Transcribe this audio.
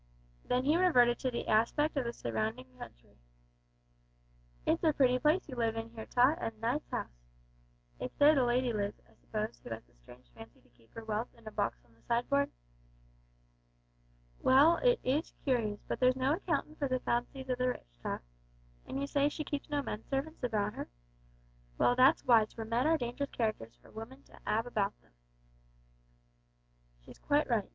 Then he reverted to the aspect of the surrounding country. "It's a pretty place you live in here, Tot, an' a nice house. It's there the lady lives, I suppose who has the strange fancy to keep her wealth in a box on the sideboard? Well, it is curious, but there's no accountin' for the fancies o' the rich, Tot. An' you say she keeps no men servants about her? Well, that's wise, for men are dangerous characters for women to 'ave about 'em. She's quite right.